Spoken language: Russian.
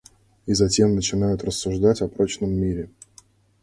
И затем начинают рассуждать о прочном мире.